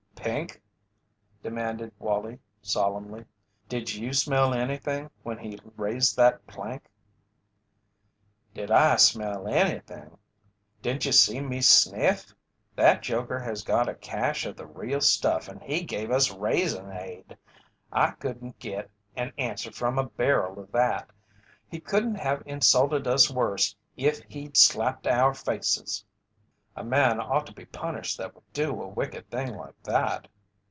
"Pink," demanded Wallie, solemnly, "did you smell anything when he raised that plank?" "Did I smell anything! Didn't you see me sniff? That joker has got a cache of the real stuff and he gave us raisinade! I couldn't git an answer from a barrel of that. He couldn't have insulted us worse if he'd slapped our faces." "A man ought to be punished that would do a wicked thing like that."